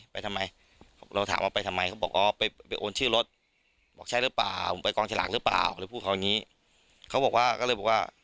ไปทำไมเราถามว่าไปทำไมเขาบอกอ๋อไปไปโอนชื่อรถบอกใช่หรือเปล่าไปกองฉลากหรือเปล่าเลยพูดเขาอย่างนี้เขาบอกว่าก็เลยบอกว่า